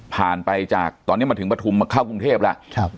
ผ่านไปจากตอนนี้มาถึงประทุมมาเข้ากรุงเทพแล้วครับ